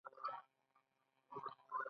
روم په دې سیمه کې یوه ستره امپراتوري پنځولې وه.